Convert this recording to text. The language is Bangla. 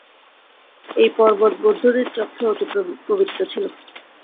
এই পর্বত বৌদ্ধদের চক্ষে অতি পবিত্র ছিল।